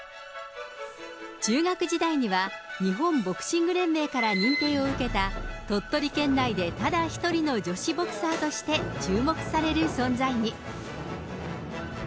中学時代には日本ボクシング連盟から認定を受けた、鳥取県内でただ一人の女子ボクサーとして、注目される存在に。